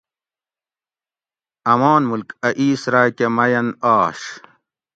آمان ملک ا اِیس راکہ مئین آش